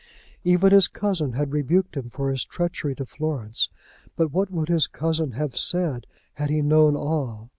Even his cousin had rebuked him for his treachery to Florence; but what would his cousin have said had he known all?